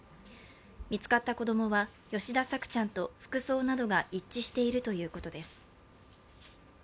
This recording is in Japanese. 見つかった子供は吉田朔ちゃんと服装などが一致しているということです。